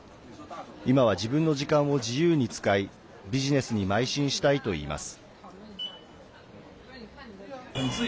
今は、自分の時間を自由に使いビジネスにまい進したいといいます。